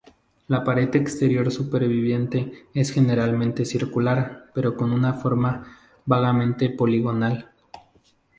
La pared exterior superviviente es generalmente circular pero con una forma vagamente poligonal.